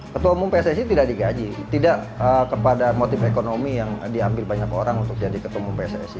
ketua umum pssi tidak digaji tidak kepada motif ekonomi yang diambil banyak orang untuk jadi ketua umum pssi